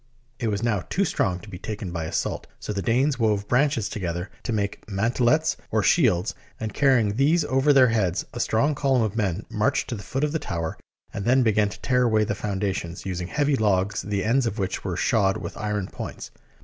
It was now too strong to be taken by assault, [ 152] SIEGE OF PARIS so the Danes wove branches together to make man telets, or shields, and carrying these over their heads, a strong column of men marched to the foot of the tower and then began to tear away the foun dations, using heavy logs the ends of which were shod with iron points.